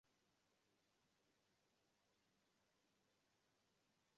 Rais wa kwanza kutokea Zanzibar alikuwa Mzee Ali Hassan Mwinyi